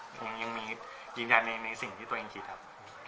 ผมยังมียืนยันในสิ่งที่ตัวเองคิดครับ